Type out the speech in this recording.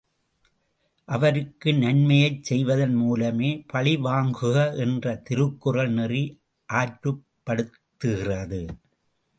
அவருக்கு நன்மையைச் செய்வதன் மூலமே பழிவாங்குக என்று திருக்குறள் நெறி ஆற்றுப்படுத்துகிறது.